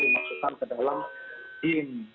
dimasukkan ke dalam dim